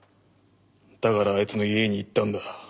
だからあいつの家に行ったんだ。